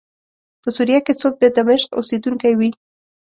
په سوریه کې څوک د دمشق اوسېدونکی وي.